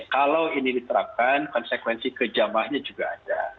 kalau ini diterapkan konsekuensi kejamahnya juga ada